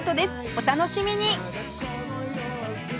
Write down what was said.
お楽しみに！